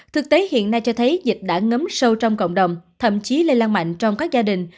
thực tế hiện nay cho thấy dịch đã ngấm sâu trong cộng đồng thậm chí lây lan mạnh trong các gia đình